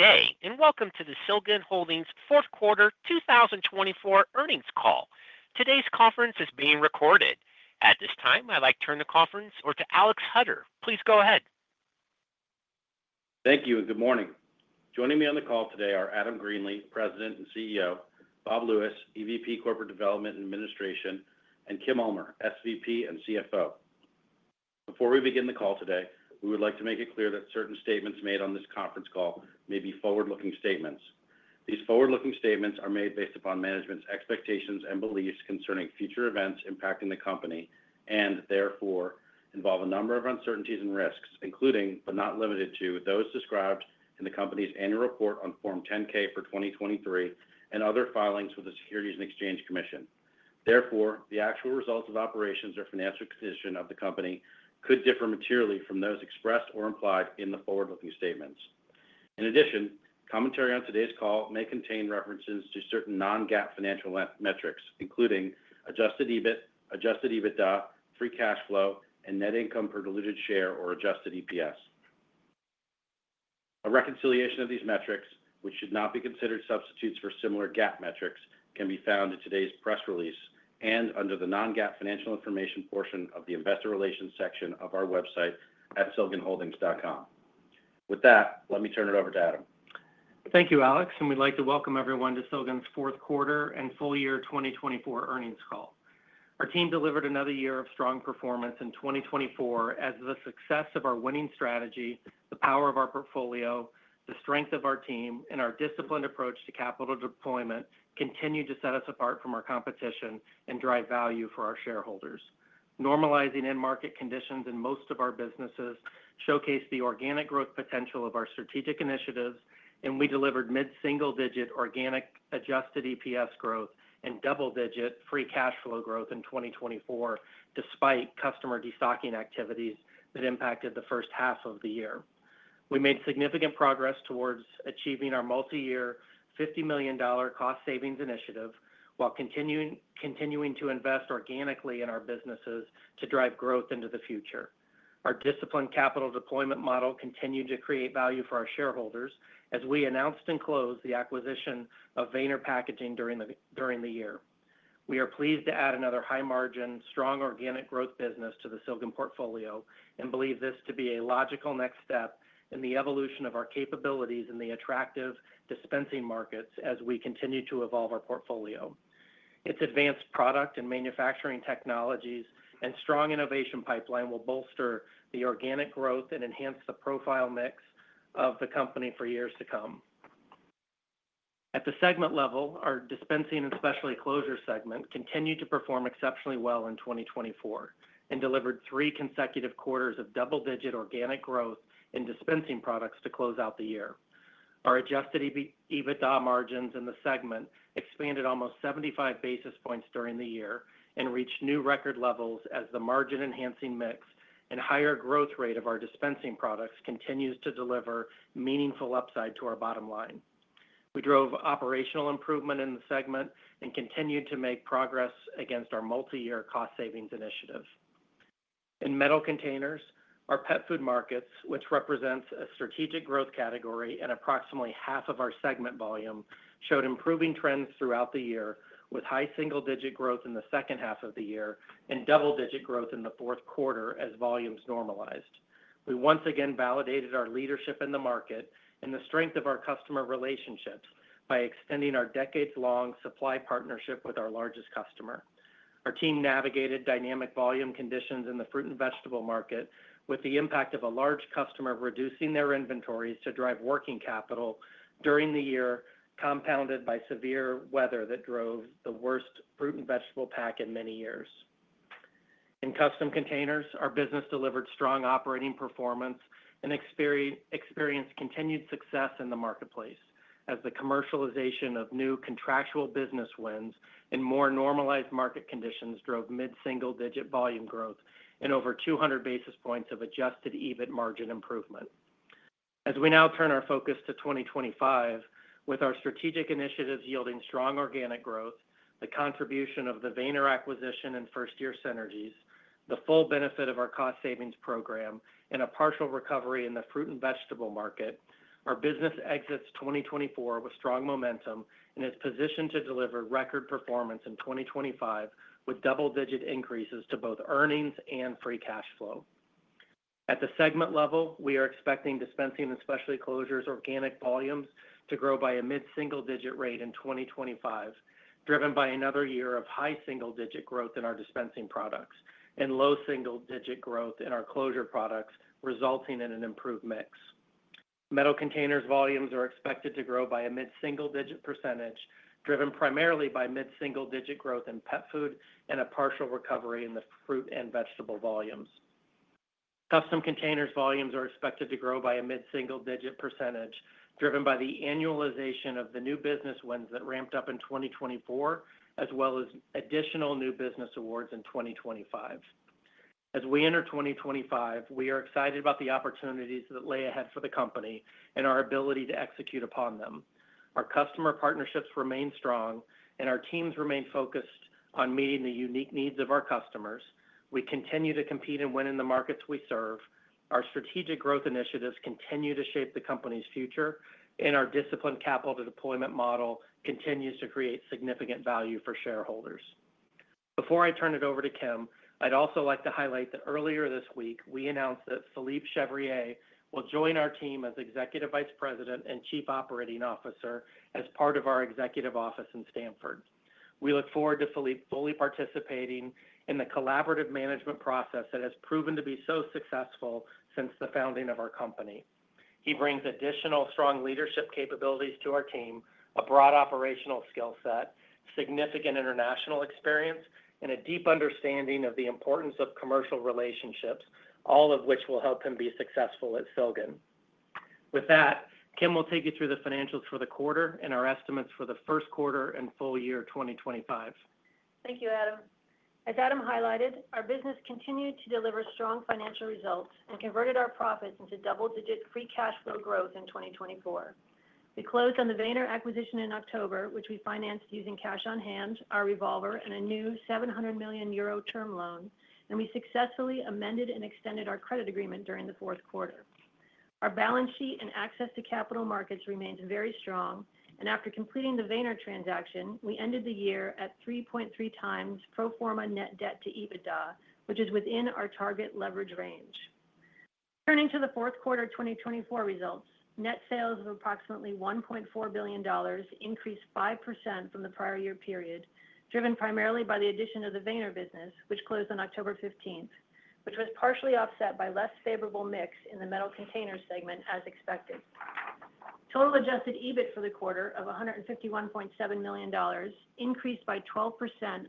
Good day, and welcome to the Silgan Holdings Fourth Quarter 2024 earnings call. Today's conference is being recorded. At this time, I'd like to turn the conference over to Alex Hutter. Please go ahead. Thank you, and good morning. Joining me on the call today are Adam Greenlee, President and CEO, Bob Lewis, EVP Corporate Development and Administration, and Kim Ulmer, SVP and CFO. Before we begin the call today, we would like to make it clear that certain statements made on this conference call may be forward-looking statements. These forward-looking statements are made based upon management's expectations and beliefs concerning future events impacting the company and, therefore, involve a number of uncertainties and risks, including, but not limited to, those described in the company's annual report on Form 10-K for 2023 and other filings with the Securities and Exchange Commission. Therefore, the actual results of operations or financial condition of the company could differ materially from those expressed or implied in the forward-looking statements. In addition, commentary on today's call may contain references to certain non-GAAP financial metrics, including adjusted EBIT, adjusted EBITDA, free cash flow, and net income per diluted share, or adjusted EPS. A reconciliation of these metrics, which should not be considered substitutes for similar GAAP metrics, can be found in today's press release and under the non-GAAP financial information portion of the Investor Relations section of our website at silganholdings.com. With that, let me turn it over to Adam. Thank you, Alex, and we'd like to welcome everyone to Silgan's Fourth Quarter and Full Year 2024 earnings call. Our team delivered another year of strong performance in 2024, as the success of our winning strategy, the power of our portfolio, the strength of our team, and our disciplined approach to capital deployment continue to set us apart from our competition and drive value for our shareholders. Normalizing end market conditions in most of our businesses showcased the organic growth potential of our strategic initiatives, and we delivered mid-single-digit organic adjusted EPS growth and double-digit free cash flow growth in 2024, despite customer de-stocking activities that impacted the first half of the year. We made significant progress towards achieving our multi-year $50 million cost savings initiative while continuing to invest organically in our businesses to drive growth into the future. Our disciplined capital deployment model continued to create value for our shareholders as we announced and closed the acquisition of Weener Plastics during the year. We are pleased to add another high-margin, strong organic growth business to the Silgan portfolio and believe this to be a logical next step in the evolution of our capabilities in the attractive dispensing markets as we continue to evolve our portfolio. Its advanced product and manufacturing technologies and strong innovation pipeline will bolster the organic growth and enhance the product mix of the company for years to come. At the segment level, our dispensing and specialty closures segment continued to perform exceptionally well in 2024 and delivered three consecutive quarters of double-digit organic growth in dispensing products to close out the year. Our adjusted EBITDA margins in the segment expanded almost 75 basis points during the year and reached new record levels as the margin-enhancing mix and higher growth rate of our dispensing products continues to deliver meaningful upside to our bottom line. We drove operational improvement in the segment and continued to make progress against our multi-year cost savings initiative. In metal containers, our pet food markets, which represents a strategic growth category and approximately half of our segment volume, showed improving trends throughout the year, with high single-digit growth in the second half of the year and double-digit growth in the fourth quarter as volumes normalized. We once again validated our leadership in the market and the strength of our customer relationships by extending our decades-long supply partnership with our largest customer. Our team navigated dynamic volume conditions in the fruit and vegetable market, with the impact of a large customer reducing their inventories to drive working capital during the year, compounded by severe weather that drove the worst fruit and vegetable pack in many years. In Custom Containers, our business delivered strong operating performance and experienced continued success in the marketplace as the commercialization of new contractual business wins and more normalized market conditions drove mid-single-digit volume growth and over 200 basis points of Adjusted EBIT margin improvement. As we now turn our focus to 2025, with our strategic initiatives yielding strong organic growth, the contribution of the Weener acquisition and first-year synergies, the full benefit of our cost savings program, and a partial recovery in the fruit and vegetable market, our business exits 2024 with strong momentum and is positioned to deliver record performance in 2025 with double-digit increases to both earnings and free cash flow. At the segment level, we are expecting dispensing and specialty closures organic volumes to grow by a mid-single-digit rate in 2025, driven by another year of high single-digit growth in our dispensing products and low single-digit growth in our closure products, resulting in an improved mix. Metal containers volumes are expected to grow by a mid-single-digit percentage, driven primarily by mid-single-digit growth in pet food and a partial recovery in the fruit and vegetable volumes. Custom containers volumes are expected to grow by a mid-single-digit percentage, driven by the annualization of the new business wins that ramped up in 2024, as well as additional new business awards in 2025. As we enter 2025, we are excited about the opportunities that lay ahead for the company and our ability to execute upon them. Our customer partnerships remain strong, and our teams remain focused on meeting the unique needs of our customers. We continue to compete and win in the markets we serve. Our strategic growth initiatives continue to shape the company's future, and our disciplined capital deployment model continues to create significant value for shareholders. Before I turn it over to Kim, I'd also like to highlight that earlier this week, we announced that Philippe Chevrier will join our team as Executive Vice President and Chief Operating Officer as part of our executive office in Stamford. We look forward to Philippe fully participating in the collaborative management process that has proven to be so successful since the founding of our company. He brings additional strong leadership capabilities to our team, a broad operational skill set, significant international experience, and a deep understanding of the importance of commercial relationships, all of which will help him be successful at Silgan. With that, Kim will take you through the financials for the quarter and our estimates for the first quarter and full year 2025. Thank you, Adam. As Adam highlighted, our business continued to deliver strong financial results and converted our profits into double-digit free cash flow growth in 2024. We closed on the Weener acquisition in October, which we financed using cash on hand, our revolver, and a new 700 million euro term loan, and we successfully amended and extended our credit agreement during the fourth quarter. Our balance sheet and access to capital markets remained very strong, and after completing the Weener transaction, we ended the year at 3.3x pro forma net debt to EBITDA, which is within our target leverage range. Turning to the fourth quarter 2024 results, net sales of approximately $1.4 billion increased 5% from the prior year period, driven primarily by the addition of the Weener business, which closed on October 15, which was partially offset by less favorable mix in the metal containers segment, as expected. Total adjusted EBIT for the quarter of $151.7 million increased by 12%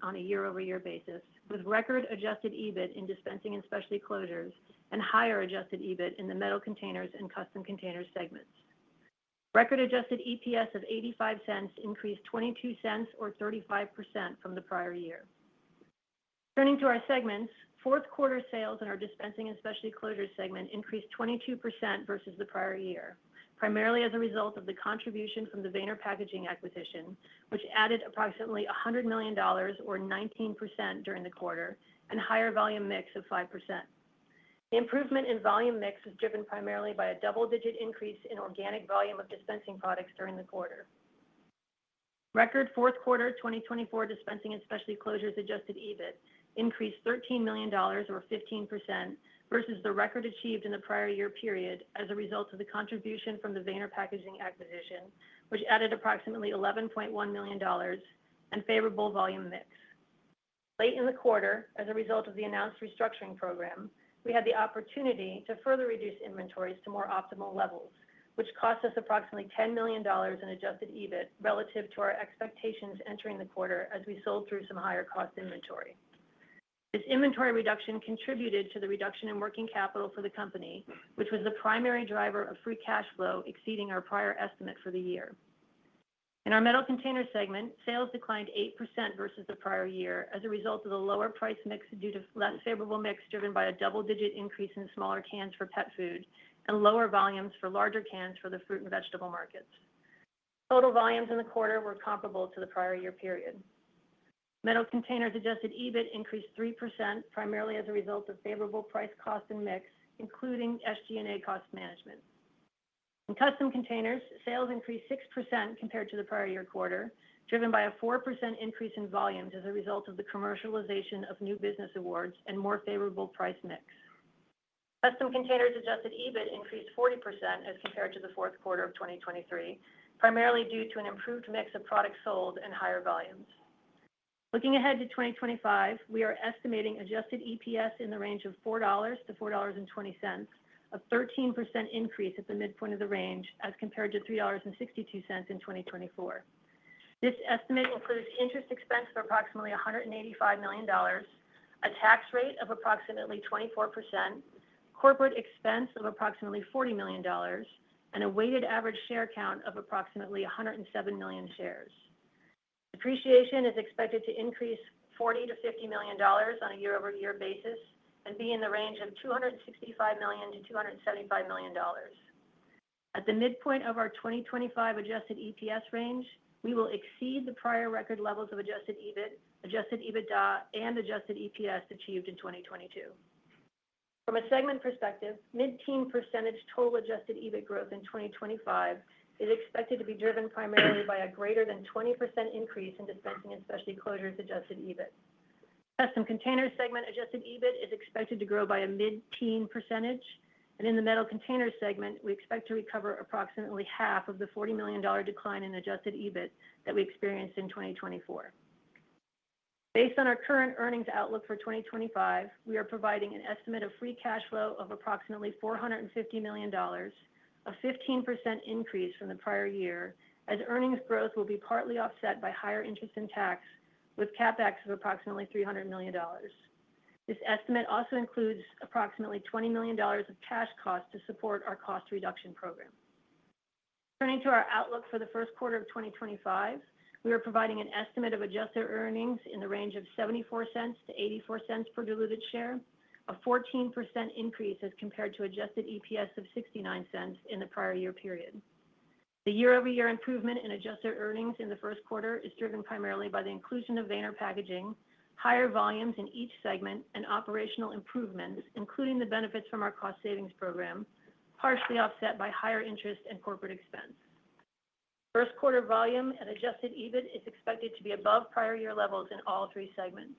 on a year-over-year basis, with record adjusted EBIT in dispensing and specialty closures and higher adjusted EBIT in the metal containers and custom containers segments. Record adjusted EPS of $0.85 increased $0.22, or 35% from the prior year. Turning to our segments, fourth quarter sales in our dispensing and specialty closures segment increased 22% versus the prior year, primarily as a result of the contribution from the Weener Plastics acquisition, which added approximately $100 million, or 19% during the quarter, and a higher volume mix of 5%. The improvement in volume mix is driven primarily by a double-digit increase in organic volume of dispensing products during the quarter. Record fourth quarter 2024 dispensing and specialty closures adjusted EBIT increased $13 million, or 15%, versus the record achieved in the prior year period as a result of the contribution from the Weener packaging acquisition, which added approximately $11.1 million and favorable volume mix. Late in the quarter, as a result of the announced restructuring program, we had the opportunity to further reduce inventories to more optimal levels, which cost us approximately $10 million in adjusted EBIT relative to our expectations entering the quarter as we sold through some higher-cost inventory. This inventory reduction contributed to the reduction in working capital for the company, which was the primary driver of free cash flow exceeding our prior estimate for the year. In our Metal Containers segment, sales declined 8% versus the prior year as a result of the lower price mix due to less favorable mix driven by a double-digit increase in smaller cans for pet food and lower volumes for larger cans for the fruit and vegetable markets. Total volumes in the quarter were comparable to the prior year period. Metal Containers Adjusted EBIT increased 3%, primarily as a result of favorable price cost and mix, including SG&A cost management. In Custom Containers, sales increased 6% compared to the prior year quarter, driven by a 4% increase in volumes as a result of the commercialization of new business awards and more favorable price mix. Custom Containers Adjusted EBIT increased 40% as compared to the fourth quarter of 2023, primarily due to an improved mix of products sold and higher volumes. Looking ahead to 2025, we are estimating Adjusted EPS in the range of $4-$4.20, a 13% increase at the midpoint of the range as compared to $3.62 in 2024. This estimate includes interest expense of approximately $185 million, a tax rate of approximately 24%, corporate expense of approximately $40 million, and a weighted average share count of approximately 107 million shares. Depreciation is expected to increase $40 million-$50 million on a year-over-year basis and be in the range of $265 million-$275 million. At the midpoint of our 2025 Adjusted EPS range, we will exceed the prior record levels of Adjusted EBIT, Adjusted EBITDA, and Adjusted EPS achieved in 2022. From a segment perspective, mid-teen percentage total Adjusted EBIT growth in 2025 is expected to be driven primarily by a greater than 20% increase in Dispensing and Specialty Closures Adjusted EBIT. Custom container segment adjusted EBIT is expected to grow by a mid-teen %, and in the metal container segment, we expect to recover approximately half of the $40 million decline in adjusted EBIT that we experienced in 2024. Based on our current earnings outlook for 2025, we are providing an estimate of free cash flow of approximately $450 million, a 15% increase from the prior year, as earnings growth will be partly offset by higher interest and tax, with CapEx of approximately $300 million. This estimate also includes approximately $20 million of cash cost to support our cost reduction program. Turning to our outlook for the first quarter of 2025, we are providing an estimate of adjusted earnings in the range of $0.74-$0.84 per diluted share, a 14% increase as compared to adjusted EPS of $0.69 in the prior year period. The year-over-year improvement in adjusted earnings in the first quarter is driven primarily by the inclusion of Weener Plastics, higher volumes in each segment, and operational improvements, including the benefits from our cost savings program, partially offset by higher interest and corporate expense. First quarter volume and Adjusted EBIT is expected to be above prior year levels in all three segments.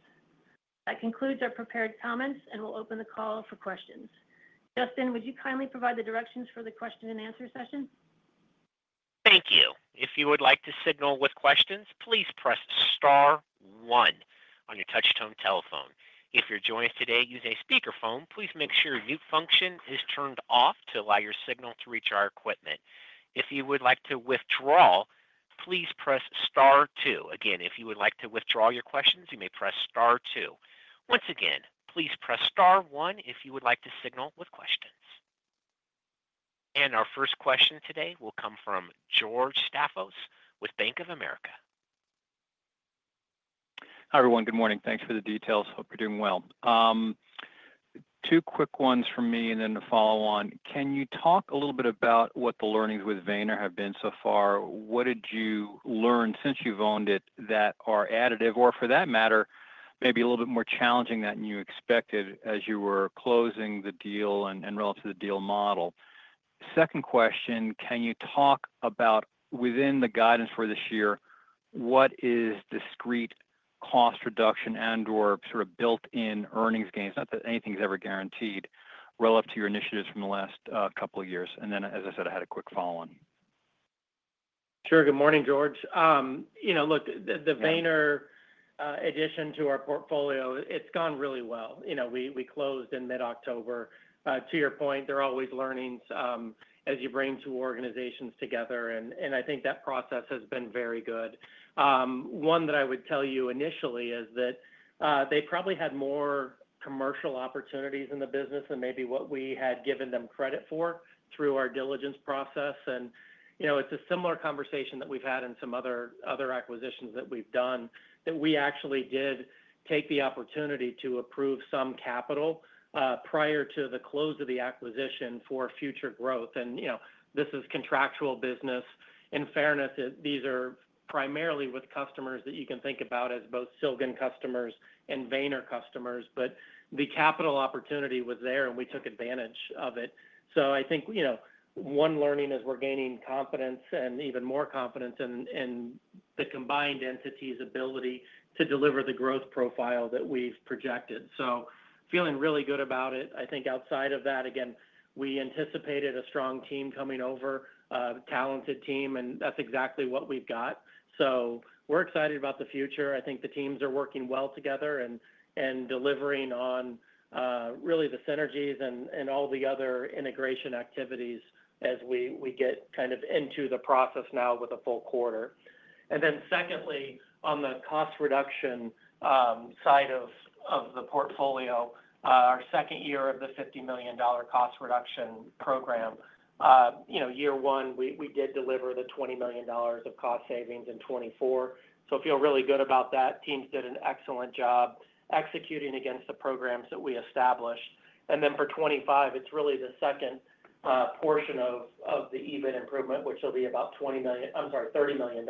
That concludes our prepared comments, and we'll open the call for questions. Justin, would you kindly provide the directions for the question-and-answer session? Thank you. If you would like to signal with questions, please press star one on your touch-tone telephone. If you're joining us today using a speakerphone, please make sure your mute function is turned off to allow your signal to reach our equipment. If you would like to withdraw, please press star two. Again, if you would like to withdraw your questions, you may press star two. Once again, please press star one if you would like to signal with questions. And our first question today will come from George Staphos with Bank of America. Hi, everyone. Good morning. Thanks for the details. Hope you're doing well. Two quick ones from me and then to follow on. Can you talk a little bit about what the learnings with Weener have been so far? What did you learn since you've owned it that are additive or, for that matter, maybe a little bit more challenging than you expected as you were closing the deal and relative to the deal model? Second question, can you talk about, within the guidance for this year, what is discrete cost reduction and/or sort of built-in earnings gains? Not that anything's ever guaranteed relative to your initiatives from the last couple of years. And then, as I said, I had a quick follow-on. Sure. Good morning, George. You know, look, the Weener addition to our portfolio, it's gone really well. You know, we closed in mid-October. To your point, there are always learnings as you bring two organizations together, and I think that process has been very good. One that I would tell you initially is that they probably had more commercial opportunities in the business than maybe what we had given them credit for through our diligence process. And, you know, this is contractual business. In fairness, these are primarily with customers that you can think about as both Silgan customers and Weener customers, but the capital opportunity was there, and we took advantage of it. So I think, you know, one learning is we're gaining confidence and even more confidence in the combined entity's ability to deliver the growth profile that we've projected. So feeling really good about it. I think outside of that, again, we anticipated a strong team coming over, a talented team, and that's exactly what we've got. So we're excited about the future. I think the teams are working well together and delivering on really the synergies and all the other integration activities as we get kind of into the process now with a full quarter. And then, secondly, on the cost reduction side of the portfolio, our second year of the $50 million cost reduction program. You know, year one, we did deliver the $20 million of cost savings in 2024. So feel really good about that. Teams did an excellent job executing against the programs that we established. And then for 2025, it's really the second portion of the EBIT improvement, which will be about $20 million. I'm sorry, $30 million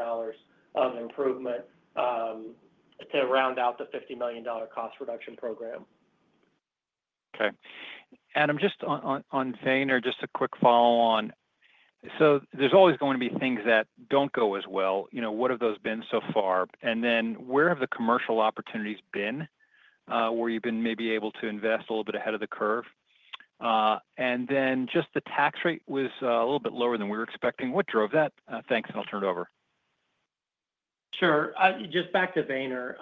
of improvement to round out the $50 million cost reduction program. Okay. Adam, just on Weener, just a quick follow-on. So there's always going to be things that don't go as well. You know, what have those been so far? And then where have the commercial opportunities been where you've been maybe able to invest a little bit ahead of the curve? And then just the tax rate was a little bit lower than we were expecting. What drove that? Thanks, and I'll turn it over. Sure. Just back to Weener.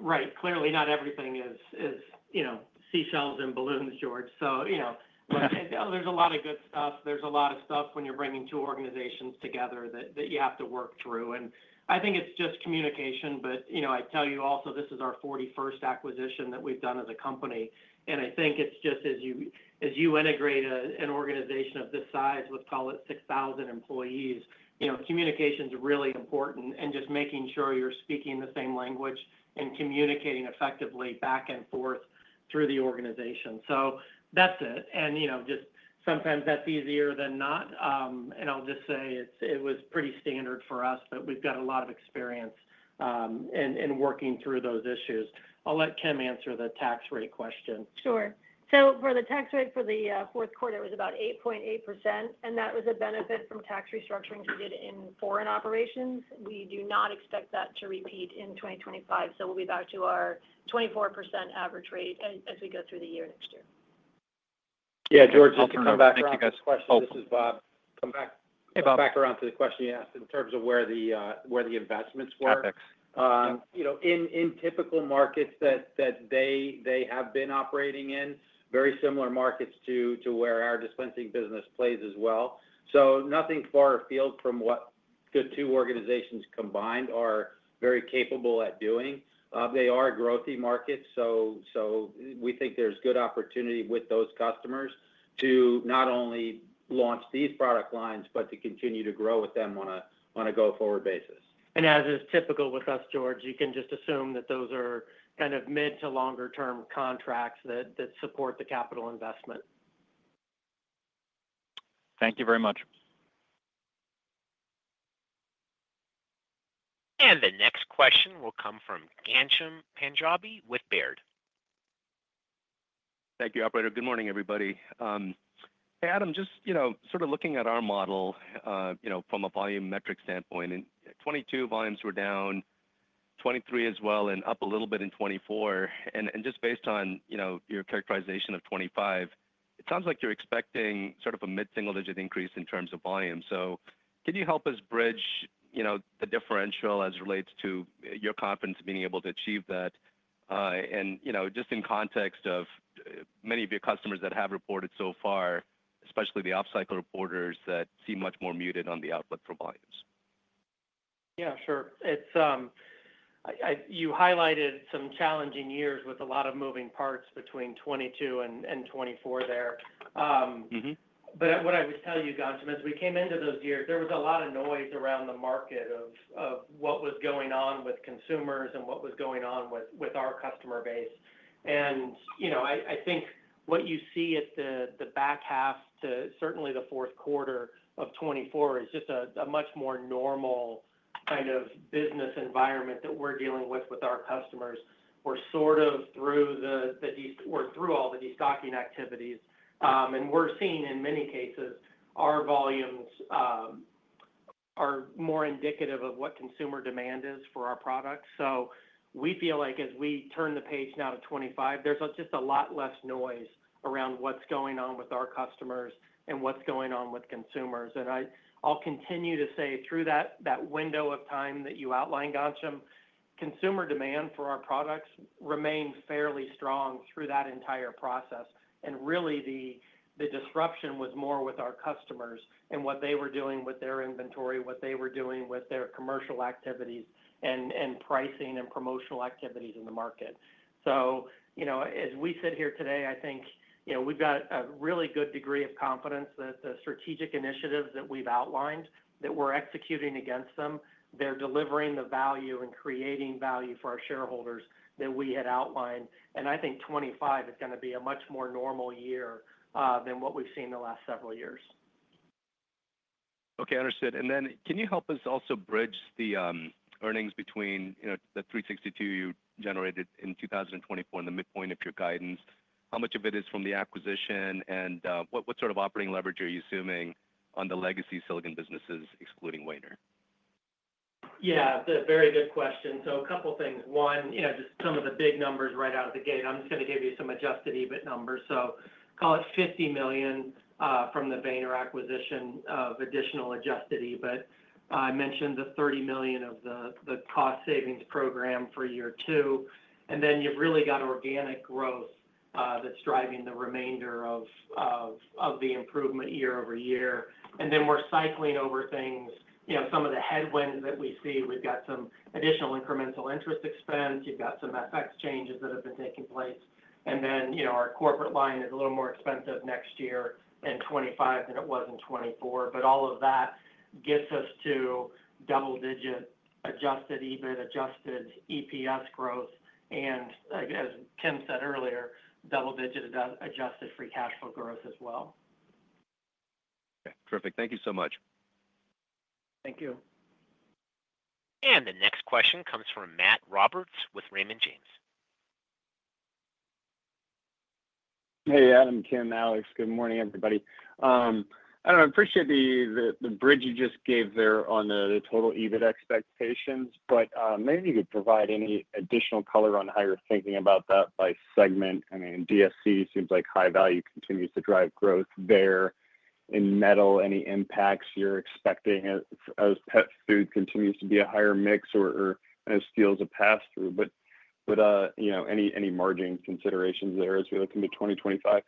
Right. Clearly, not everything is, you know, seashells and balloons, George. So, you know, look, there's a lot of good stuff. There's a lot of stuff when you're bringing two organizations together that you have to work through. And I think it's just communication, but, you know, I tell you also, this is our 41st acquisition that we've done as a company. And I think it's just as you integrate an organization of this size with, call it, 6,000 employees, you know, communication's really important and just making sure you're speaking the same language and communicating effectively back and forth through the organization. So that's it. And, you know, just sometimes that's easier than not. And I'll just say it was pretty standard for us, but we've got a lot of experience in working through those issues. I'll let Kim answer the tax rate question. Sure. So for the tax rate for the fourth quarter, it was about 8.8%, and that was a benefit from tax restructuring we did in foreign operations. We do not expect that to repeat in 2025, so we'll be back to our 24% average rate as we go through the year next year. Yeah, George, just to come back to you guys' questions. Oh, sorry. This is Bob. Come back. Hey, Bob. Back around to the question you asked in terms of where the investments were. Perfect. You know, in typical markets that they have been operating in, very similar markets to where our dispensing business plays as well. So nothing far afield from what the two organizations combined are very capable at doing. They are growthy markets, so we think there's good opportunity with those customers to not only launch these product lines, but to continue to grow with them on a go-forward basis. And as is typical with us, George, you can just assume that those are kind of mid to longer-term contracts that support the capital investment. Thank you very much. The next question will come from Ghansham Panjabi with Baird. Thank you, operator. Good morning, everybody. Hey, Adam, just, you know, sort of looking at our model, you know, from a volume metric standpoint, and 2022 volumes were down, 2023 as well, and up a little bit in 2024. And just based on, you know, your characterization of 2025, it sounds like you're expecting sort of a mid-single-digit increase in terms of volume. So can you help us bridge, you know, the differential as it relates to your confidence of being able to achieve that? And, you know, just in context of many of your customers that have reported so far, especially the off-cycle reporters that seem much more muted on the output for volumes. Yeah, sure. As you highlighted some challenging years with a lot of moving parts between 2022 and 2024 there. But what I would tell you, Ghansham, as we came into those years, there was a lot of noise around the market of what was going on with consumers and what was going on with our customer base. And, you know, I think what you see at the back half to certainly the fourth quarter of 2024 is just a much more normal kind of business environment that we're dealing with with our customers. We're sort of through all the destocking activities. And we're seeing, in many cases, our volumes are more indicative of what consumer demand is for our products. So we feel like as we turn the page now to 2025, there's just a lot less noise around what's going on with our customers and what's going on with consumers. And I'll continue to say through that window of time that you outlined, Ghansham, consumer demand for our products remained fairly strong through that entire process. And really, the disruption was more with our customers and what they were doing with their inventory, what they were doing with their commercial activities and pricing and promotional activities in the market. So, you know, as we sit here today, I think, you know, we've got a really good degree of confidence that the strategic initiatives that we've outlined, that we're executing against them, they're delivering the value and creating value for our shareholders that we had outlined. I think 2025 is going to be a much more normal year than what we've seen the last several years. Okay. Understood. And then can you help us also bridge the earnings between, you know, the 362 you generated in 2024 and the midpoint of your guidance? How much of it is from the acquisition, and what sort of operating leverage are you assuming on the legacy Silgan businesses, excluding Weener? Yeah, very good question. So a couple of things. One, you know, just some of the big numbers right out of the gate. I'm just going to give you some adjusted EBIT numbers. So call it $50 million from the Weener acquisition of additional adjusted EBIT. I mentioned the $30 million of the cost savings program for year two. And then you've really got organic growth that's driving the remainder of the improvement year-over-year. And then we're cycling over things, you know, some of the headwinds that we see. We've got some additional incremental interest expense. You've got some FX changes that have been taking place. And then, you know, our corporate line is a little more expensive next year in 2025 than it was in 2024. But all of that gets us to double-digit adjusted EBIT, adjusted EPS growth, and, as Kim said earlier, double-digit adjusted free cash flow growth as well. Okay. Terrific. Thank you so much. Thank you. The next question comes from Matt Roberts with Raymond James. Hey, Adam, Kim, Alex, good morning, everybody. I appreciate the bridge you just gave there on the total EBIT expectations, but maybe you could provide any additional color on how you're thinking about that by segment. I mean, DSC seems like high value continues to drive growth there. In metal, any impacts you're expecting as pet food continues to be a higher mix or as steel as a pass-through? But, you know, any margin considerations there as we look into 2025?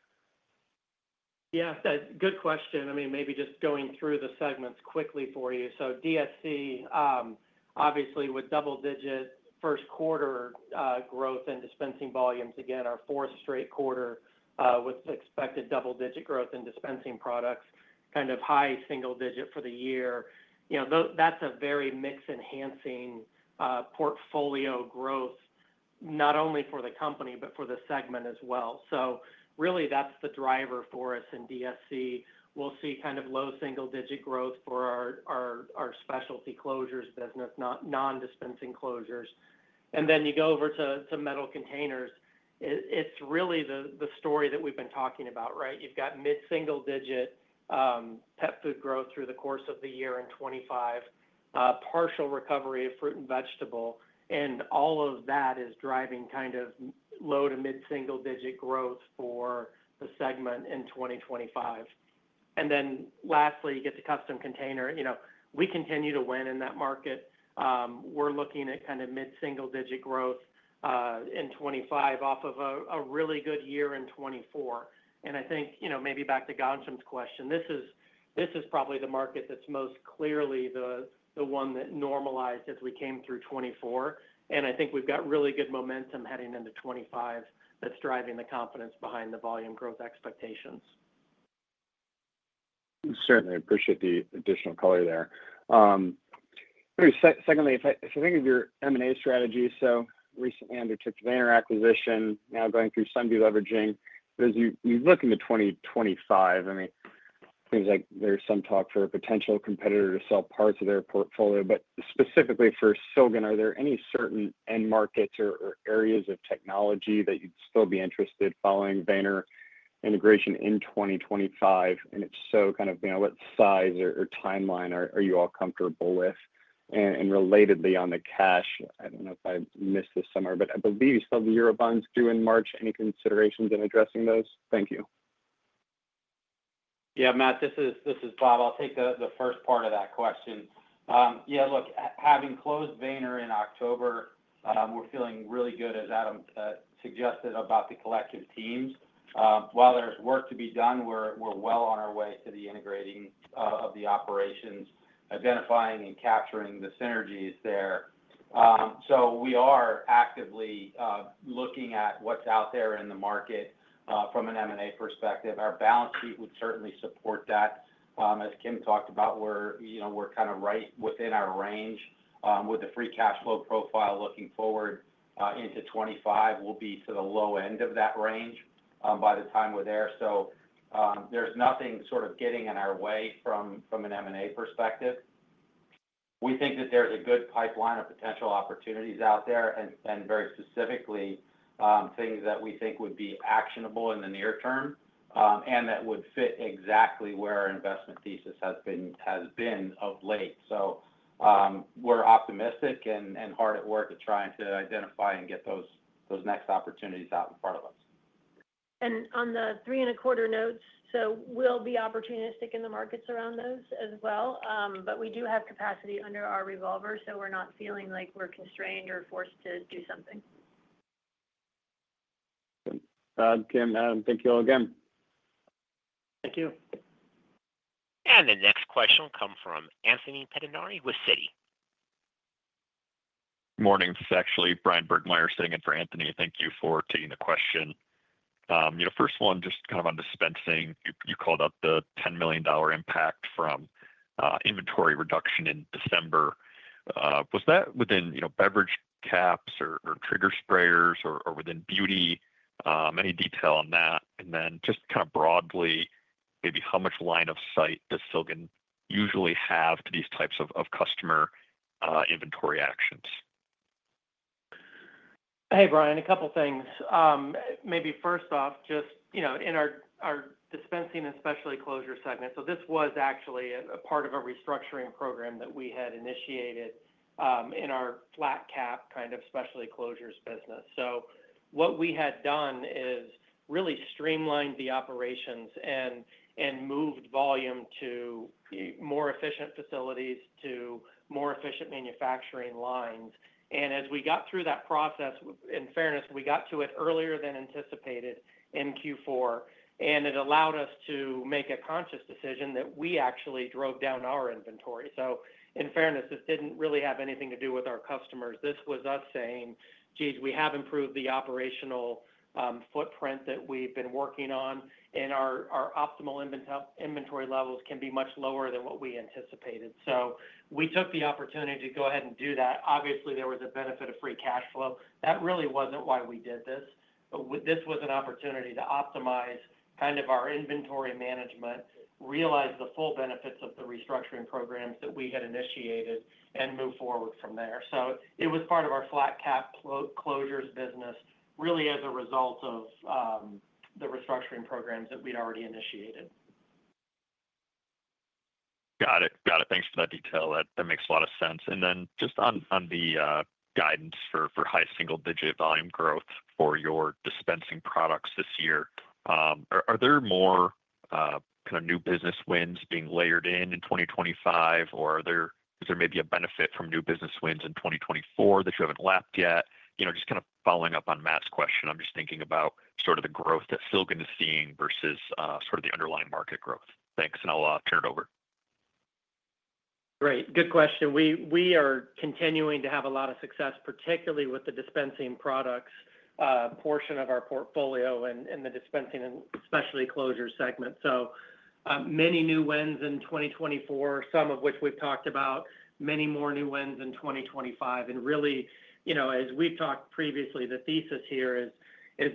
Yeah. Good question. I mean, maybe just going through the segments quickly for you, so DSC, obviously, with double-digit first quarter growth in dispensing volumes, again, our fourth straight quarter with expected double-digit growth in dispensing products, kind of high single-digit for the year. You know, that's a very mix-enhancing portfolio growth, not only for the company, but for the segment as well, so really, that's the driver for us in DSC. We'll see kind of low single-digit growth for our specialty closures business, non-dispensing closures, and then you go over to metal containers. It's really the story that we've been talking about, right? You've got mid-single-digit pet food growth through the course of the year in 2025, partial recovery of fruit and vegetable, and all of that is driving kind of low to mid-single-digit growth for the segment in 2025, and then lastly, you get the custom container. You know, we continue to win in that market. We're looking at kind of mid-single-digit growth in 2025 off of a really good year in 2024. And I think, you know, maybe back to Ghansham's question, this is probably the market that's most clearly the one that normalized as we came through 2024. And I think we've got really good momentum heading into 2025 that's driving the confidence behind the volume growth expectations. Certainly. I appreciate the additional color there. Secondly, if I think of your M&A strategy, so recently undertook Weener acquisition, now going through some deleveraging. But as you look into 2025, I mean, it seems like there's some talk for a potential competitor to sell parts of their portfolio. But specifically for Silgan, are there any certain end markets or areas of technology that you'd still be interested following Weener integration in 2025? And if so, kind of, you know, what size or timeline are you all comfortable with? And relatedly on the cash, I don't know if I missed this somewhere, but I believe you still have the Eurobonds due in March. Any considerations in addressing those? Thank you. Yeah, Matt, this is Bob. I'll take the first part of that question. Yeah, look, having closed Weener in October, we're feeling really good, as Adam suggested, about the collective teams. While there's work to be done, we're well on our way to the integrating of the operations, identifying and capturing the synergies there. So we are actively looking at what's out there in the market from an M&A perspective. Our balance sheet would certainly support that. As Kim talked about, we're, you know, we're kind of right within our range with the free cash flow profile looking forward into 2025. We'll be to the low end of that range by the time we're there. So there's nothing sort of getting in our way from an M&A perspective. We think that there's a good pipeline of potential opportunities out there and very specifically things that we think would be actionable in the near term and that would fit exactly where our investment thesis has been of late. So we're optimistic and hard at work at trying to identify and get those next opportunities out in front of us. And on the three and a quarter notes, so we'll be opportunistic in the markets around those as well. But we do have capacity under our revolver, so we're not feeling like we're constrained or forced to do something. Good. Kim, Adam, thank you all again. Thank you. The next question will come from Anthony Pettinari with Citi. Morning. This is Bryan Burgmeier actually sitting in for Anthony. Thank you for taking the question. You know, first one, just kind of on dispensing, you called out the $10 million impact from inventory reduction in December. Was that within, you know, beverage caps or trigger sprayers or within beauty? Any detail on that? And then just kind of broadly, maybe how much line of sight does Silgan usually have to these types of customer inventory actions? Hey, Bryan, a couple of things. Maybe first off, just, you know, in our Dispensing and Specialty Closures segment, so this was actually a part of a restructuring program that we had initiated in our flat cap kind of specialty closures business, so what we had done is really streamlined the operations and moved volume to more efficient facilities, to more efficient manufacturing lines. And as we got through that process, in fairness, we got to it earlier than anticipated in Q4, and it allowed us to make a conscious decision that we actually drove down our inventory, so in fairness, this didn't really have anything to do with our customers. This was us saying, "Geez, we have improved the operational footprint that we've been working on, and our optimal inventory levels can be much lower than what we anticipated." So we took the opportunity to go ahead and do that. Obviously, there was a benefit of free cash flow. That really wasn't why we did this. But this was an opportunity to optimize kind of our inventory management, realize the full benefits of the restructuring programs that we had initiated, and move forward from there. So it was part of our flat cap closures business, really as a result of the restructuring programs that we'd already initiated. Got it. Got it. Thanks for that detail. That makes a lot of sense. And then just on the guidance for high single-digit volume growth for your dispensing products this year, are there more kind of new business wins being layered in in 2025? Or is there maybe a benefit from new business wins in 2024 that you haven't lapped yet? You know, just kind of following up on Matt's question, I'm just thinking about sort of the growth that Silgan is seeing versus sort of the underlying market growth. Thanks. And I'll turn it over. Great. Good question. We are continuing to have a lot of success, particularly with the dispensing products portion of our portfolio and the dispensing and specialty closures segment. So many new wins in 2024, some of which we've talked about, many more new wins in 2025, and really, you know, as we've talked previously, the thesis here is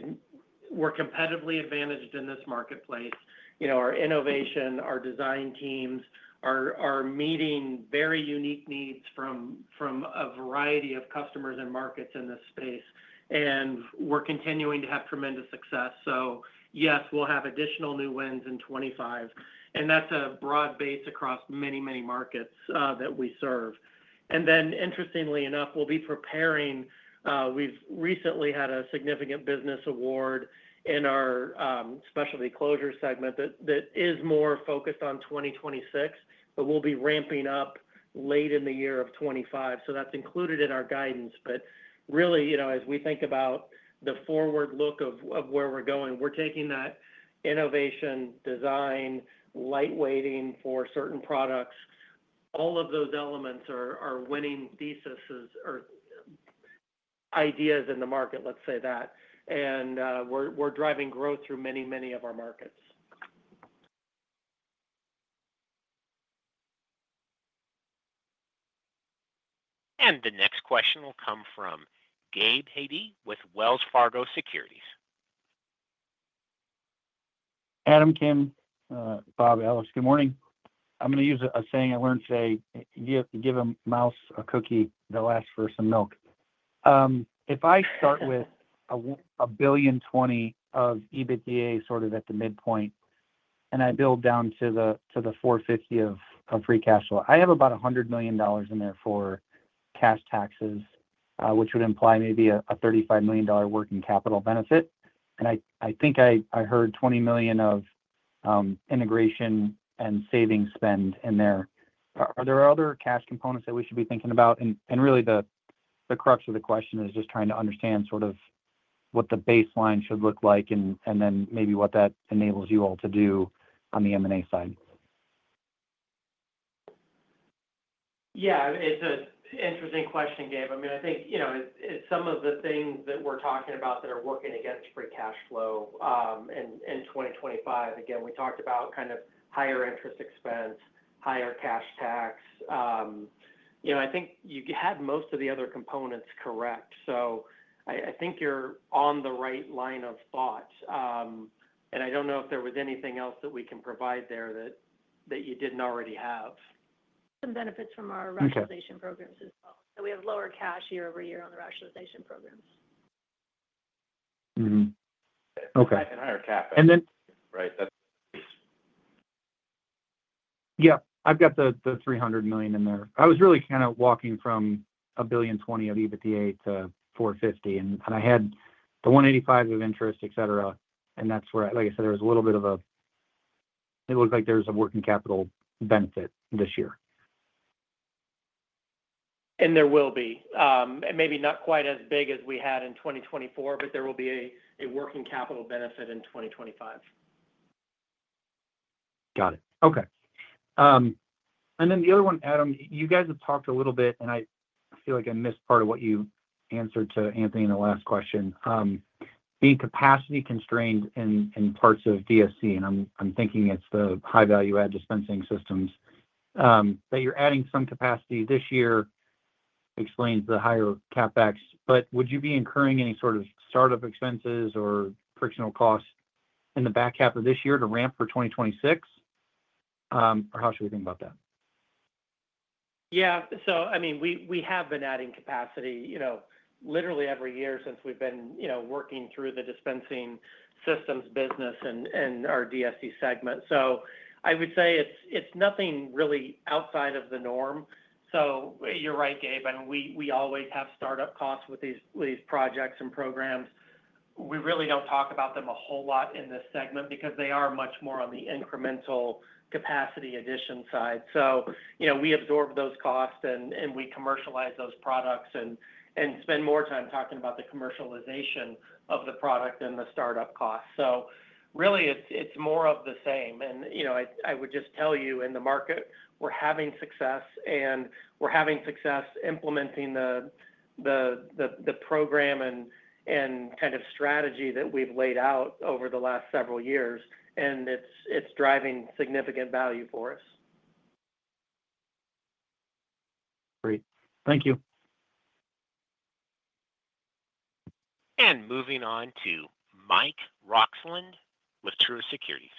we're competitively advantaged in this marketplace. You know, our innovation, our design teams are meeting very unique needs from a variety of customers and markets in this space, and we're continuing to have tremendous success, so yes, we'll have additional new wins in 2025. And that's a broad base across many, many markets that we serve, and then, interestingly enough, we'll be preparing, we've recently had a significant business award in our specialty closure segment that is more focused on 2026, but we'll be ramping up late in the year of 2025. So that's included in our guidance. But really, you know, as we think about the forward look of where we're going, we're taking that innovation, design, lightweighting for certain products. All of those elements are winning theses or ideas in the market, let's say that. And we're driving growth through many, many of our markets. The next question will come from Gabe Hajde with Wells Fargo Securities. Adam, Kim, Bob, Alex, good morning. I'm going to use a saying I learned today: give a mouse a cookie, they'll ask for some milk. If I start with $1.02 billion of EBITDA sort of at the midpoint, and I build down to the $450 million of free cash flow, I have about $100 million in there for cash taxes, which would imply maybe a $35 million working capital benefit. I think I heard $20 million of integration and savings spend in there. Are there other cash components that we should be thinking about? Really, the crux of the question is just trying to understand sort of what the baseline should look like and then maybe what that enables you all to do on the M&A side. Yeah. It's an interesting question, Gabe. I mean, I think, you know, some of the things that we're talking about that are working against free cash flow in 2025, again, we talked about kind of higher interest expense, higher cash tax. You know, I think you had most of the other components correct. So I think you're on the right line of thought. And I don't know if there was anything else that we can provide there that you didn't already have. Some benefits from our rationalization programs as well. So we have lower cash year-over-year on the rationalization programs. Okay. And higher CapEx. And then. Right. That's. Yeah. I've got the $300 million in there. I was really kind of walking from $1.02 billion of EBITDA to $450 million. And I had the $185 million of interest, et cetera. And that's where, like I said, there was a little bit of a - it looked like there was a working capital benefit this year. And there will be. And maybe not quite as big as we had in 2024, but there will be a working capital benefit in 2025. Got it. Okay. And then the other one, Adam, you guys have talked a little bit, and I feel like I missed part of what you answered to Anthony in the last question. Being capacity constrained in parts of DSC, and I'm thinking it's the high-value-add dispensing systems, that you're adding some capacity this year explains the higher CapEx. But would you be incurring any sort of startup expenses or frictional costs in the back half of this year to ramp for 2026? Or how should we think about that? Yeah. So I mean, we have been adding capacity, you know, literally every year since we've been, you know, working through the dispensing systems business and our DSC segment. So I would say it's nothing really outside of the norm. So you're right, Gabe. I mean, we always have startup costs with these projects and programs. We really don't talk about them a whole lot in this segment because they are much more on the incremental capacity addition side. So, you know, we absorb those costs and we commercialize those products and spend more time talking about the commercialization of the product than the startup costs. So really, it's more of the same. And, you know, I would just tell you in the market, we're having success, and we're having success implementing the program and kind of strategy that we've laid out over the last several years. It's driving significant value for us. Great. Thank you. Moving on to Mike Roxland with Truist Securities.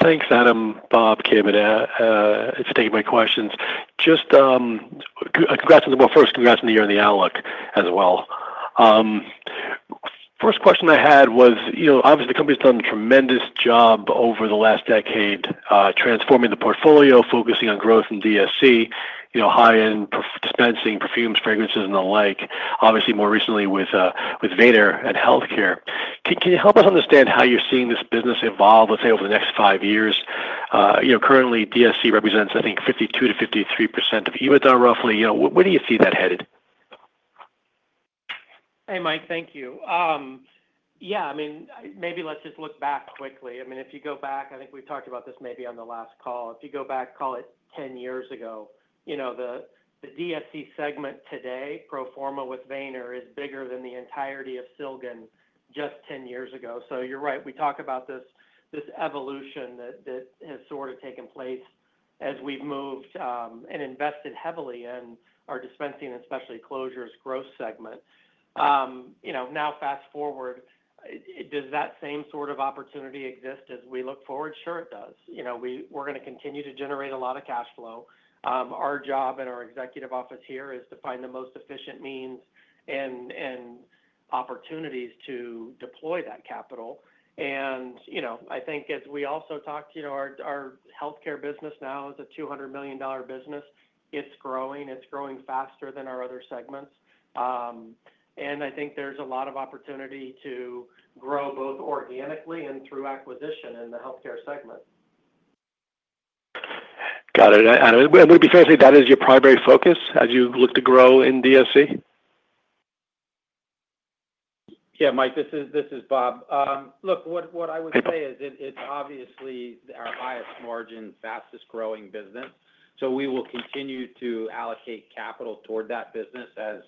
Thanks, Adam, Bob, Kim. And it's time to take my questions. Just congrats on the year. Well, first, congrats on the year and the outlook as well. First question I had was, you know, obviously, the company's done a tremendous job over the last decade transforming the portfolio, focusing on growth in DSC, you know, high-end dispensing, perfumes, fragrances, and the like. Obviously, more recently with Weener and healthcare. Can you help us understand how you're seeing this business evolve, let's say, over the next five years? You know, currently, DSC represents, I think, 52%-53% of EBITDA roughly. You know, where do you see that headed? Hey, Mike, thank you. Yeah. I mean, maybe let's just look back quickly. I mean, if you go back, I think we talked about this maybe on the last call. If you go back, call it 10 years ago, you know, the DSC segment today, pro forma with Weener, is bigger than the entirety of Silgan just 10 years ago. So you're right. We talk about this evolution that has sort of taken place as we've moved and invested heavily in our dispensing and specialty closures growth segment. You know, now fast forward, does that same sort of opportunity exist as we look forward? Sure, it does. You know, we're going to continue to generate a lot of cash flow. Our job in our executive office here is to find the most efficient means and opportunities to deploy that capital. You know, I think as we also talked, you know, our healthcare business now is a $200 million business. It's growing. It's growing faster than our other segments. I think there's a lot of opportunity to grow both organically and through acquisition in the healthcare segment. Got it. And would it be fair to say that is your primary focus as you look to grow in DSC? Yeah, Mike, this is Bob. Look, what I would say is it's obviously our highest margin, fastest growing business. So we will continue to allocate capital toward that business as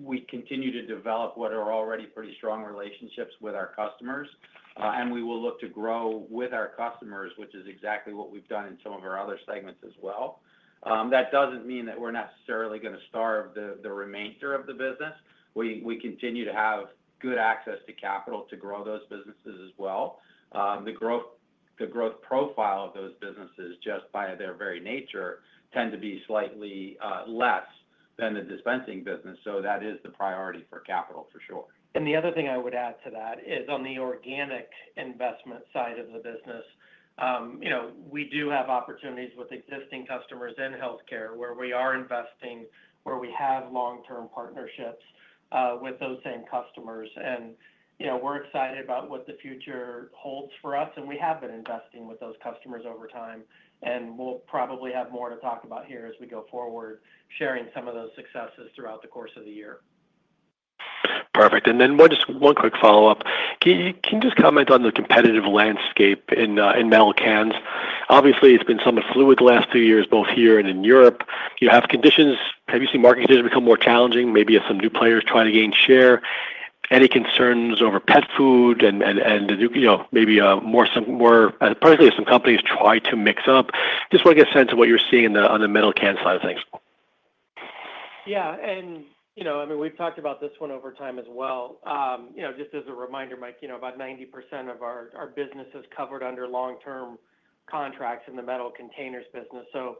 we continue to develop what are already pretty strong relationships with our customers. And we will look to grow with our customers, which is exactly what we've done in some of our other segments as well. That doesn't mean that we're necessarily going to starve the remainder of the business. We continue to have good access to capital to grow those businesses as well. The growth profile of those businesses just by their very nature tend to be slightly less than the dispensing business. So that is the priority for capital for sure. The other thing I would add to that is on the organic investment side of the business, you know, we do have opportunities with existing customers in healthcare where we are investing, where we have long-term partnerships with those same customers. You know, we're excited about what the future holds for us. We have been investing with those customers over time. We'll probably have more to talk about here as we go forward, sharing some of those successes throughout the course of the year. Perfect. And then just one quick follow-up. Can you just comment on the competitive landscape in metal cans? Obviously, it's been somewhat fluid the last two years, both here and in Europe. You have conditions, have you seen market conditions become more challenging? Maybe some new players try to gain share. Any concerns over pet food and, you know, maybe more, particularly as some companies try to mix up? Just want to get a sense of what you're seeing on the metal can side of things. Yeah. And, you know, I mean, we've talked about this one over time as well. You know, just as a reminder, Mike, you know, about 90% of our business is covered under long-term contracts in the metal containers business. So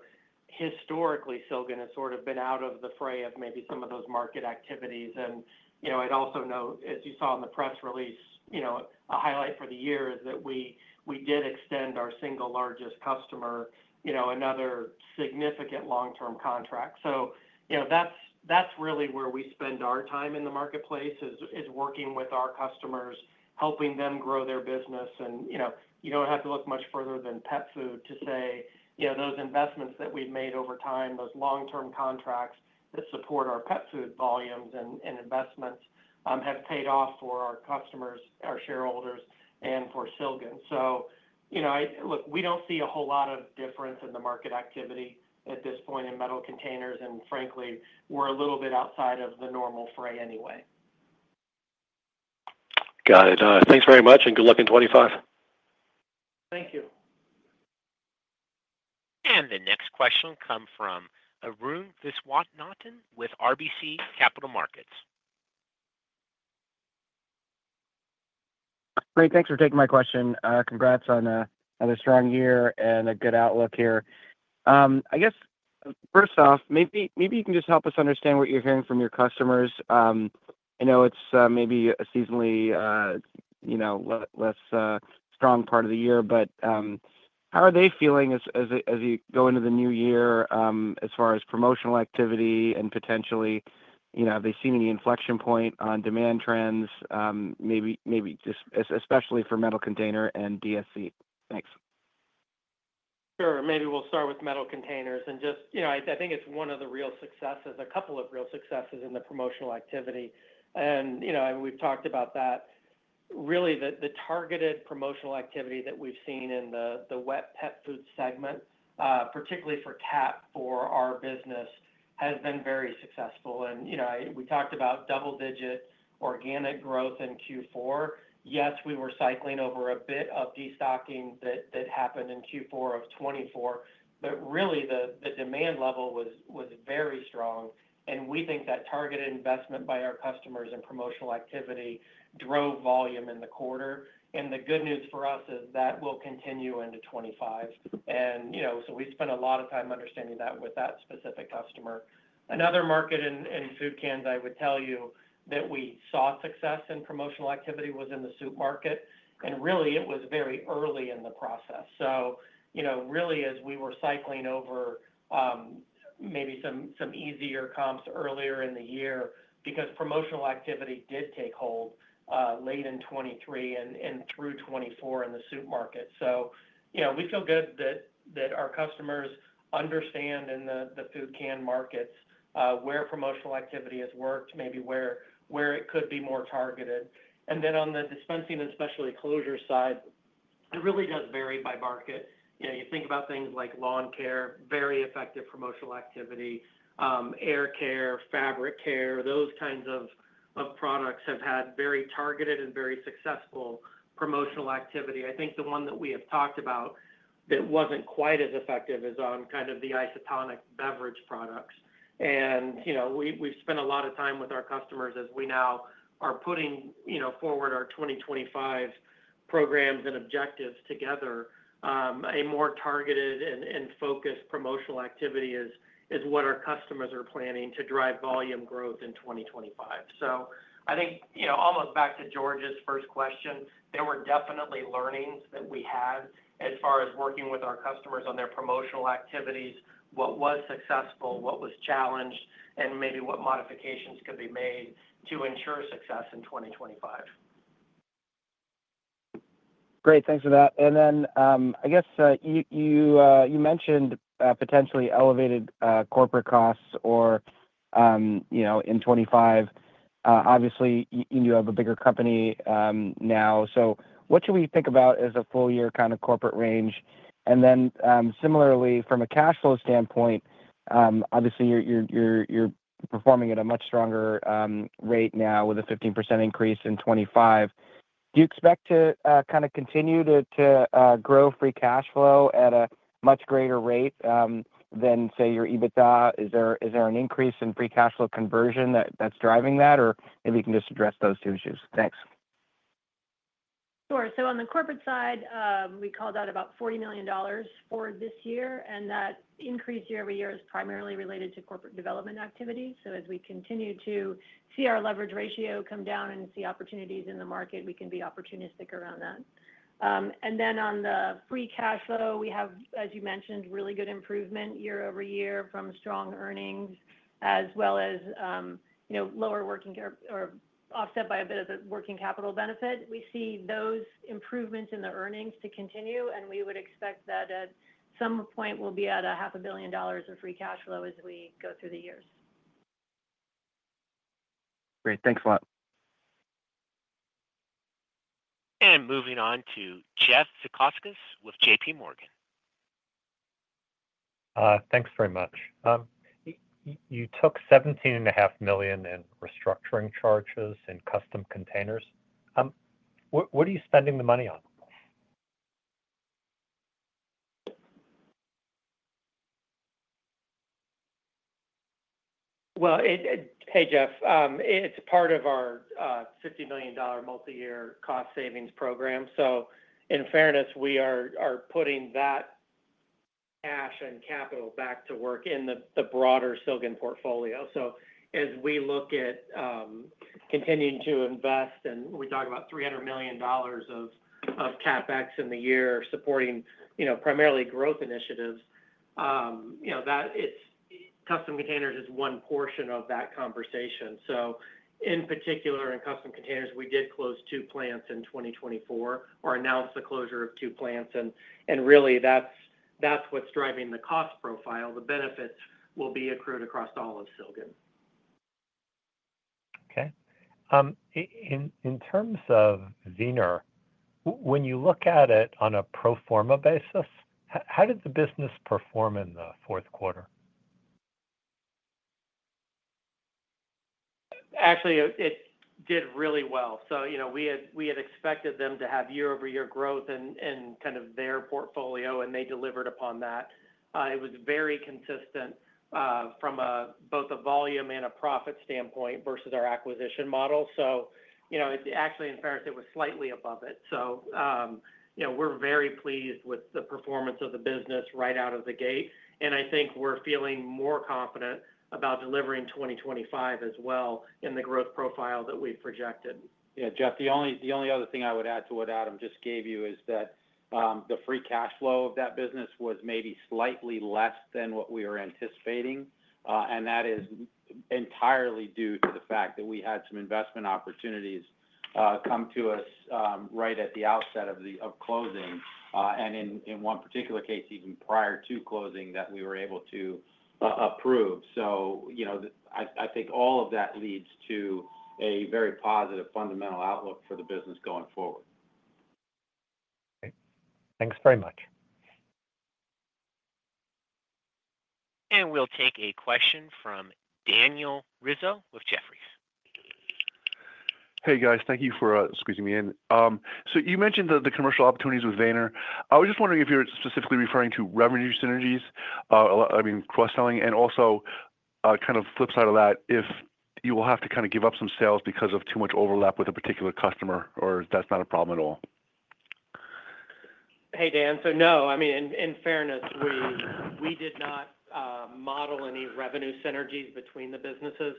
historically, Silgan has sort of been out of the fray of maybe some of those market activities. And, you know, I'd also note, as you saw in the press release, you know, a highlight for the year is that we did extend our single largest customer, you know, another significant long-term contract. So, you know, that's really where we spend our time in the marketplace is working with our customers, helping them grow their business. And, you know, you don't have to look much further than pet food to say, you know, those investments that we've made over time, those long-term contracts that support our pet food volumes and investments have paid off for our customers, our shareholders, and for Silgan. So, you know, look, we don't see a whole lot of difference in the market activity at this point in metal containers. And frankly, we're a little bit outside of the normal fray anyway. Got it. Thanks very much. And good luck in 2025. Thank you. The next question will come from Arun Viswanathan with RBC Capital Markets. Great. Thanks for taking my question. Congrats on another strong year and a good outlook here. I guess, first off, maybe you can just help us understand what you're hearing from your customers. I know it's maybe a seasonally, you know, less strong part of the year, but how are they feeling as you go into the new year as far as promotional activity and potentially, you know, have they seen any inflection point on demand trends, maybe just especially for metal container and DSC? Thanks. Sure. Maybe we'll start with metal containers and just, you know, I think it's one of the real successes, a couple of real successes in the promotional activity. And, you know, I mean, we've talked about that. Really, the targeted promotional activity that we've seen in the wet pet food segment, particularly for cans for our business, has been very successful. And, you know, we talked about double-digit organic growth in Q4. Yes, we were cycling over a bit of destocking that happened in Q4 of 2024, but really the demand level was very strong. And we think that targeted investment by our customers and promotional activity drove volume in the quarter. And the good news for us is that will continue into 2025. And, you know, so we spent a lot of time understanding that with that specific customer. Another market in food cans. I would tell you that we saw success in promotional activity was in the soup market. Really, it was very early in the process. You know, really, as we were cycling over maybe some easier comps earlier in the year because promotional activity did take hold late in 2023 and through 2024 in the soup market. You know, we feel good that our customers understand in the food can markets where promotional activity has worked, maybe where it could be more targeted. Then on the dispensing and specialty closures side, it really does vary by market. You know, you think about things like lawn care. Very effective promotional activity, air care, fabric care, those kinds of products have had very targeted and very successful promotional activity. I think the one that we have talked about that wasn't quite as effective is on kind of the isotonic beverage products, and you know, we've spent a lot of time with our customers as we now are putting, you know, forward our 2025 programs and objectives together. A more targeted and focused promotional activity is what our customers are planning to drive volume growth in 2025, so I think, you know, almost back to George's first question, there were definitely learnings that we had as far as working with our customers on their promotional activities, what was successful, what was challenged, and maybe what modifications could be made to ensure success in 2025. Great. Thanks for that. And then I guess you mentioned potentially elevated corporate costs or, you know, in 2025, obviously, you have a bigger company now. So what should we think about as a full-year kind of corporate range? And then similarly, from a cash flow standpoint, obviously, you're performing at a much stronger rate now with a 15% increase in 2025. Do you expect to kind of continue to grow free cash flow at a much greater rate than, say, your EBITDA? Is there an increase in free cash flow conversion that's driving that? Or maybe you can just address those two issues. Thanks. Sure. So on the corporate side, we called out about $40 million for this year. And that increase year-over-year is primarily related to corporate development activity. So as we continue to see our leverage ratio come down and see opportunities in the market, we can be opportunistic around that. And then on the free cash flow, we have, as you mentioned, really good improvement year-over-year from strong earnings as well as, you know, lower working capital offset by a bit of the working capital benefit. We see those improvements in the earnings to continue. And we would expect that at some point we'll be at $500 million of free cash flow as we go through the years. Great. Thanks a lot. Moving on to Jeff Zekauskas with J.P. Morgan. Thanks very much. You took $17.5 million in restructuring charges and custom containers. What are you spending the money on? Hey, Jeff, it's part of our $50 million multi-year cost savings program. In fairness, we are putting that cash and capital back to work in the broader Silgan portfolio. As we look at continuing to invest, and we talk about $300 million of CapEx in the year supporting, you know, primarily growth initiatives, you know, that custom containers is one portion of that conversation. In particular, in custom containers, we did close two plants in 2024 or announced the closure of two plants. Really, that's what's driving the cost profile. The benefits will be accrued across all of Silgan. Okay. In terms of Weener, when you look at it on a pro forma basis, how did the business perform in the fourth quarter? Actually, it did really well. So, you know, we had expected them to have year-over-year growth in kind of their portfolio, and they delivered upon that. It was very consistent from both a volume and a profit standpoint versus our acquisition model. So, you know, actually, in fairness, it was slightly above it. So, you know, we're very pleased with the performance of the business right out of the gate. And I think we're feeling more confident about delivering 2025 as well in the growth profile that we've projected. Yeah. Jeff, the only other thing I would add to what Adam just gave you is that the free cash flow of that business was maybe slightly less than what we were anticipating. That is entirely due to the fact that we had some investment opportunities come to us right at the outset of closing and in one particular case, even prior to closing that we were able to approve. You know, I think all of that leads to a very positive fundamental outlook for the business going forward. Okay. Thanks very much. We'll take a question from Daniel Rizzo with Jefferies. Hey, guys. Thank you for squeezing me in. So you mentioned the commercial opportunities with Weener. I was just wondering if you're specifically referring to revenue synergies, I mean, cross-selling, and also kind of flip side of that, if you will have to kind of give up some sales because of too much overlap with a particular customer, or that's not a problem at all? Hey, Dan. So no, I mean, in fairness, we did not model any revenue synergies between the businesses.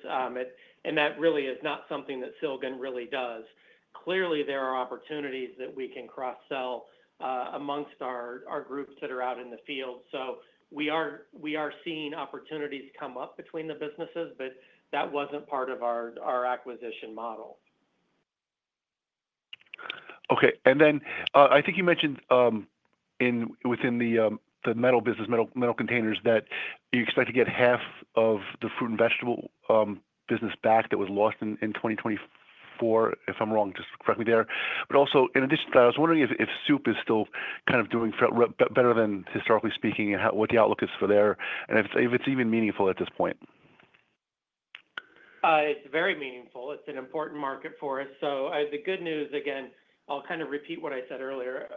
And that really is not something that Silgan really does. Clearly, there are opportunities that we can cross-sell amongst our groups that are out in the field. So we are seeing opportunities come up between the businesses, but that wasn't part of our acquisition model. Okay. And then I think you mentioned within the metal business, metal containers, that you expect to get half of the fruit and vegetable business back that was lost in 2024, if I'm wrong, just correct me there. But also, in addition to that, I was wondering if soup is still kind of doing better than historically speaking and what the outlook is for there and if it's even meaningful at this point. It's very meaningful. It's an important market for us. So the good news, again, I'll kind of repeat what I said earlier.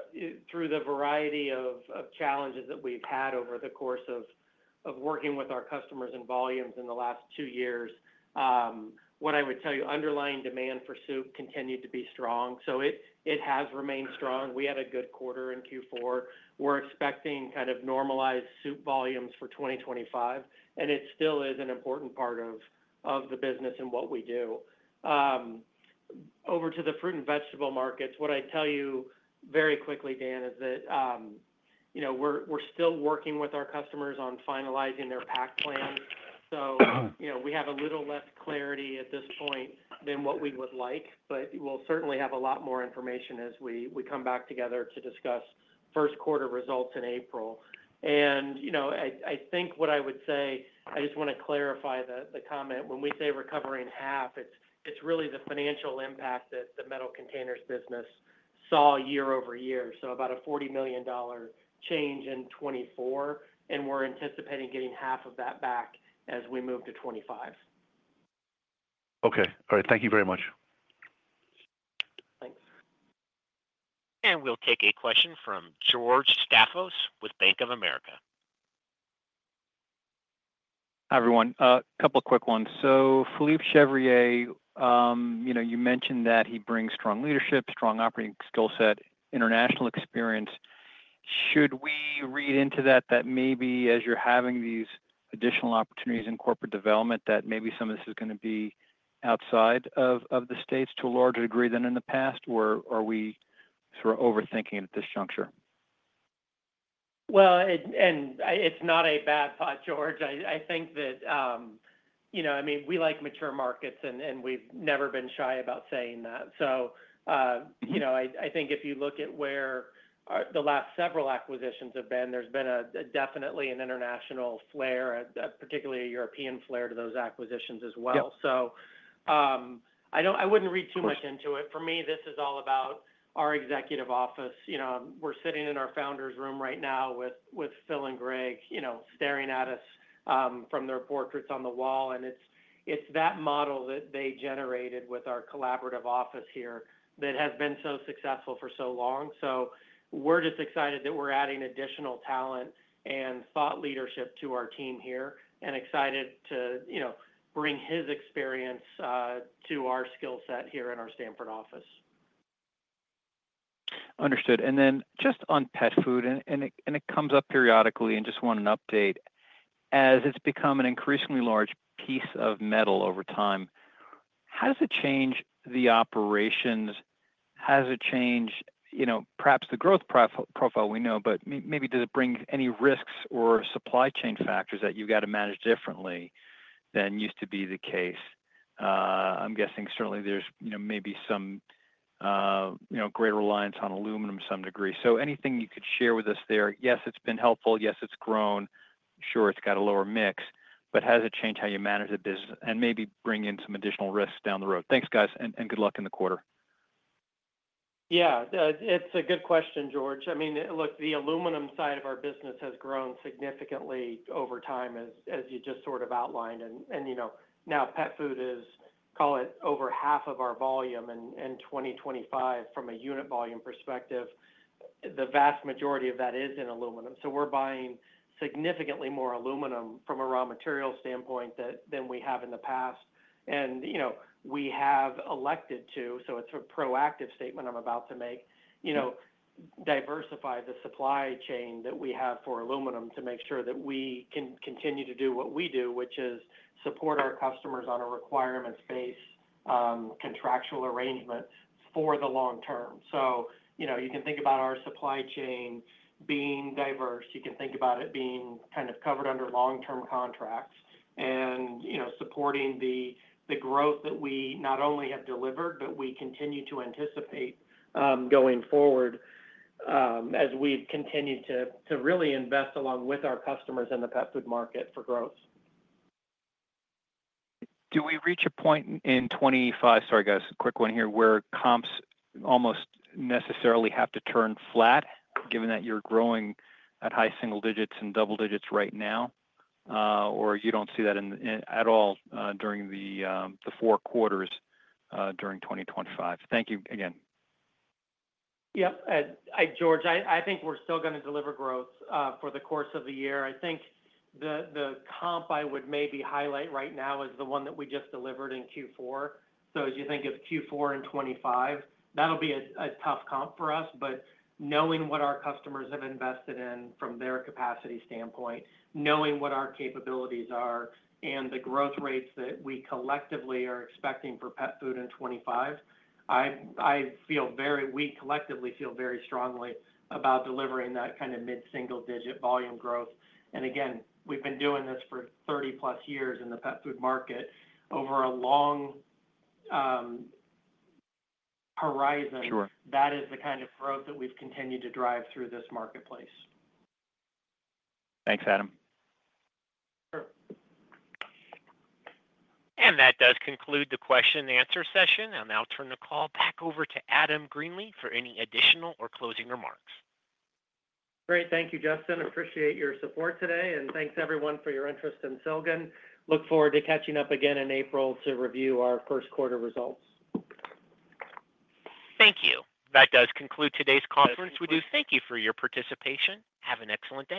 Through the variety of challenges that we've had over the course of working with our customers and volumes in the last two years, what I would tell you, underlying demand for soup continued to be strong. So it has remained strong. We had a good quarter in Q4. We're expecting kind of normalized soup volumes for 2025. And it still is an important part of the business and what we do. Over to the fruit and vegetable markets, what I'd tell you very quickly, Dan, is that, you know, we're still working with our customers on finalizing their pack plans. You know, we have a little less clarity at this point than what we would like, but we'll certainly have a lot more information as we come back together to discuss first quarter results in April. And, you know, I think what I would say, I just want to clarify the comment. When we say recovering half, it's really the financial impact that the metal containers business saw year-over-year. So about a $40 million change in 2024. And we're anticipating getting $20 million of that back as we move to 2025. Okay. All right. Thank you very much. Thanks. We'll take a question from George Staphos with Bank of America. Hi, everyone. A couple of quick ones. So Philippe Chevrier, you mentioned that he brings strong leadership, strong operating skill set, international experience. Should we read into that that maybe as you're having these additional opportunities in corporate development, that maybe some of this is going to be outside of the States to a larger degree than in the past, or are we sort of overthinking at this juncture? Well, and it's not a bad thought, George. I think that, you know, I mean, we like mature markets, and we've never been shy about saying that. So, you know, I think if you look at where the last several acquisitions have been, there's been definitely an international flair, particularly a European flair to those acquisitions as well. So I wouldn't read too much into it. For me, this is all about our executive office. You know, we're sitting in our founders' room right now with Phil and Greg, you know, staring at us from their portraits on the wall. And it's that model that they generated with our collaborative office here that has been so successful for so long. We're just excited that we're adding additional talent and thought leadership to our team here and excited to, you know, bring his experience to our skill set here in our Stamford office. Understood. And then just on pet food, and it comes up periodically, and just want an update. As it's become an increasingly large piece of metal over time, how does it change the operations? How does it change, you know, perhaps the growth profile we know, but maybe does it bring any risks or supply chain factors that you've got to manage differently than used to be the case? I'm guessing certainly there's, you know, maybe some, you know, greater reliance on aluminum to some degree. So anything you could share with us there? Yes, it's been helpful. Yes, it's grown. Sure, it's got a lower mix. But has it changed how you manage the business and maybe bring in some additional risks down the road? Thanks, guys, and good luck in the quarter. Yeah. It's a good question, George. I mean, look, the aluminum side of our business has grown significantly over time, as you just sort of outlined, and, you know, now pet food is, call it over half of our volume in 2025 from a unit volume perspective. The vast majority of that is in aluminum, so we're buying significantly more aluminum from a raw material standpoint than we have in the past, and, you know, we have elected to, so it's a proactive statement I'm about to make. You know, diversify the supply chain that we have for aluminum to make sure that we can continue to do what we do, which is support our customers on a requirements-based contractual arrangement for the long term, so, you know, you can think about our supply chain being diverse. You can think about it being kind of covered under long-term contracts and, you know, supporting the growth that we not only have delivered, but we continue to anticipate going forward as we've continued to really invest along with our customers in the pet food market for growth. Do we reach a point in 2025, sorry, guys, quick one here, where comps almost necessarily have to turn flat, given that you're growing at high single digits and double digits right now, or you don't see that at all during the four quarters during 2025? Thank you again. Yep. Hi, George. I think we're still going to deliver growth for the course of the year. I think the comp I would maybe highlight right now is the one that we just delivered in Q4. So as you think of Q4 and 2025, that'll be a tough comp for us. But knowing what our customers have invested in from their capacity standpoint, knowing what our capabilities are, and the growth rates that we collectively are expecting for pet food in 2025, I feel very—we collectively feel very strongly about delivering that kind of mid-single digit volume growth. And again, we've been doing this for 30 plus years in the pet food market. Over a long horizon, that is the kind of growth that we've continued to drive through this marketplace. Thanks, Adam. Sure. That does conclude the question-and-answer session. I'll turn the call back over to Adam Greenlee for any additional or closing remarks. Great. Thank you, Justin. Appreciate your support today. And thanks, everyone, for your interest in Silgan. Look forward to catching up again in April to review our first quarter results. Thank you. That does conclude today's conference. We do thank you for your participation. Have an excellent day.